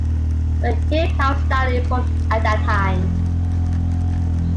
The hip house style evolved at that time.